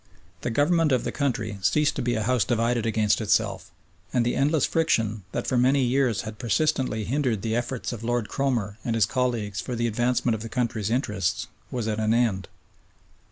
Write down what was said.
The Government of the country ceased to be a house divided against itself, and the endless friction that for many years had persistently hindered the efforts of Lord Cromer and his colleagues for the advancement of the country's interests was at an end.